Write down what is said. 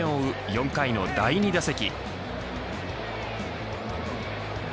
４回の第２打席。